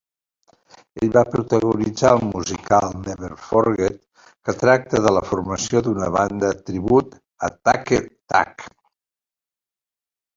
Ell va protagonitzar el musical "Never Forget", que tracta de la formació d'una banda tribut a Take That.